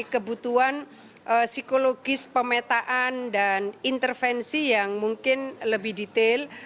kebutuhan psikologis pemetaan dan intervensi yang mungkin lebih detail